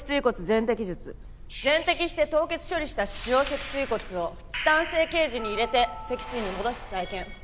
全摘して凍結処理した腫瘍脊椎骨をチタン製ケージに入れて脊椎に戻し再建。